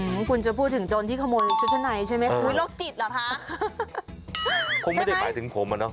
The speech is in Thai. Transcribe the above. อื้อคุณจะพูดถึงโจรที่ขโมยชุดชะไหน